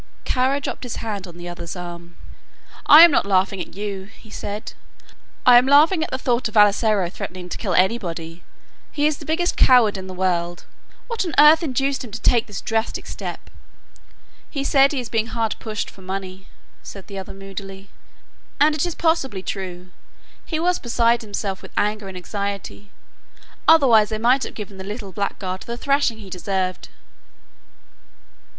Kara dropped his hand on the other's arm. "I am not laughing at you," he said; "I am laughing at the thought of Vassalaro threatening to kill anybody. He is the biggest coward in the world. What on earth induced him to take this drastic step?" "He said he is being hard pushed for money," said the other, moodily, "and it is possibly true. He was beside himself with anger and anxiety, otherwise I might have given the little blackguard the thrashing he deserved."